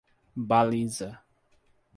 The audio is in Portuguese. Baliza